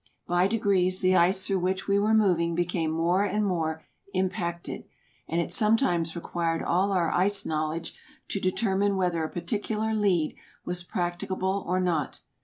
By degrees the ice through which we were moving be came more and more impacted, and it sometimes required all our ice knowledge to determine whether a particular lead was practicable or not.